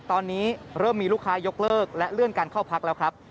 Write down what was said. ตอนนี้เริ่มมีลูกค้ายกเลิกและเลื่อนการเข้าพักแล้วครับ